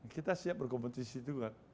kita siap berkompetisi juga